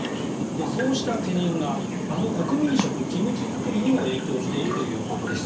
そうした懸念があの国民食、キムチ作りにも影響しているということです。